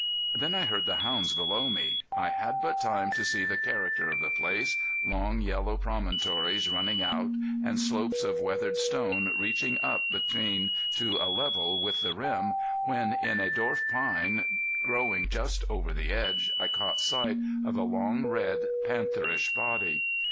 Then I heard the hounds below me. I had but time to see the character of the place long, yellow promontories running out and slopes of weathered stone reaching up between to a level with the rim when in a dwarf pine growing just over the edge I caught sight of a long, red, pantherish body.